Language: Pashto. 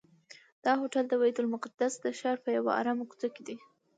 دا هوټل د بیت المقدس د ښار په یوه آرامه کوڅه کې دی.